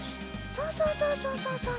そうそうそうそう。